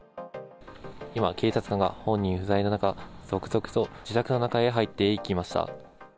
今、警察官が本人不在の中、続々と自宅の中へ入っていきました。